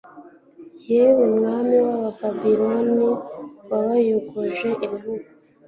Yewe mwari wa Babiloni wayogoje ibihugu